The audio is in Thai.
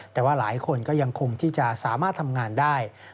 แต่ว่าหลายคนก็ยังคงที่จะสามารถทำงานได้